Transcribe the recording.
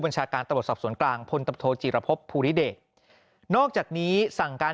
ชาการตำรวจสอบสวนกลางพลตโทจีรพบภูริเดชนอกจากนี้สั่งการ